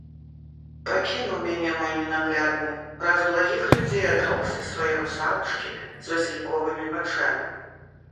Пакінуў мяне мой ненаглядны, праз благіх людзей адрокся свае русалачкі з васільковымі вачамі.